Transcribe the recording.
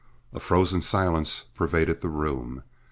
A frozen silence pervaded the room.